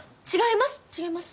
違います！